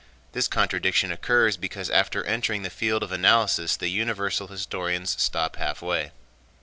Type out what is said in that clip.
This contradiction occurs because after entering the field of analysis the universal historians stop halfway.